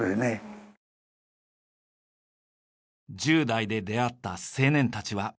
１０代で出会った青年たちは皆５０代に。